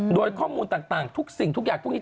โดยข้อมูลต่างทุกสิ่งทุกอย่างพวกนี้